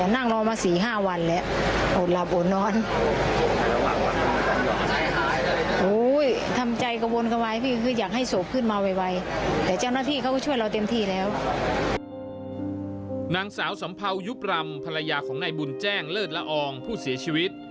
นางสาวสัมเภายุบรำภรรยาของนายบุญแจ้งเลิศละอองผู้เสียชีวิต